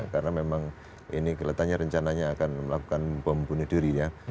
karena memang ini kelihatannya rencananya akan melakukan bom bunuh diri ya